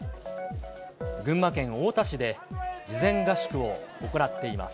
群馬県太田市で、事前合宿を行っています。